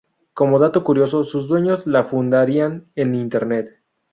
Como dato curioso, sus dueños la fundarían en Internet.